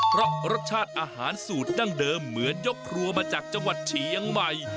เพราะรสชาติอาหารสูตรดั้งเดิมเหมือนยกครัวมาจากจังหวัดฉียงใหม่